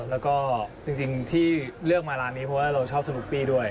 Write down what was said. แล้วก็จริงที่เลือกมาร้านนี้เพราะว่าเราชอบสนุกปี้ด้วย